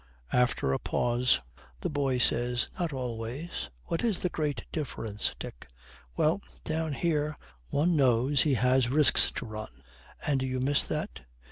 After a pause the boy says, 'Not always.' 'What is the great difference, Dick?' 'Well, down here one knows he has risks to run.' 'And you miss that?'